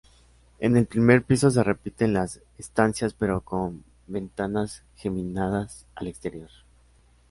En el primer piso se repiten las estancias pero con ventanas geminadas al exterior.